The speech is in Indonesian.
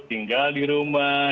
tinggal di rumah